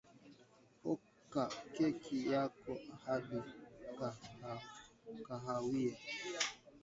oka keki yako hadi kahawia